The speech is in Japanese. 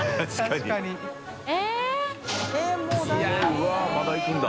うわまだいくんだ。